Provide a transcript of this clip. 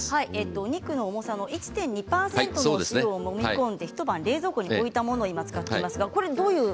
お肉の重さの１．２％のお塩をもみ込んで一晩冷蔵庫に置いたものを使っています。